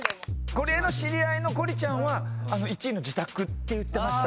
ゴリエの知り合いのゴリちゃんは１位の「自宅」って言ってました。